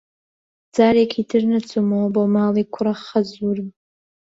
جارێکی تر نەچوومەوە بۆ ماڵی کوڕەخەزوورم.